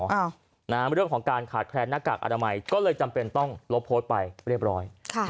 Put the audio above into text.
เรื่องของการขาดแคลนหน้ากากอนามัยก็เลยจำเป็นต้องลบโพสต์ไปเรียบร้อย